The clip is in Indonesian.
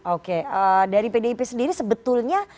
oke dari pdip sendiri sebetulnya